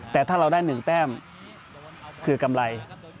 แต่ถ้าเราได้๑แต้มคือกำไร